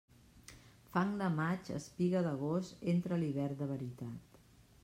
Fang de maig, espiga d'agost, entra l'hivern de veritat.